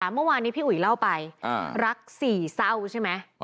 เมื่อวานนี้พี่อุ๋ยเล่าไปรักสี่เศร้าใช่ไหม